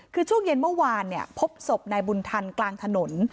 คือช่วงเย็นเมื่อวานพบศพนายบุญทันกลางถนน